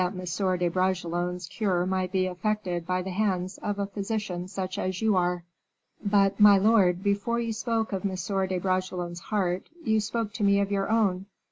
de Bragelonne's cure might be effected by the hands of a physician such as you are." "But, my lord, before you spoke of M. de Bragelonne's heart, you spoke to me of your own.